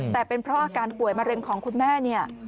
แต่เป็นเพราะอาการป่วยมะเร็งของคุณแม่เนี่ย